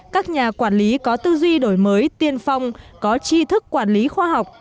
các nhà quản lý có tư duy đổi mới tiên phong có chi thức quản lý khoa học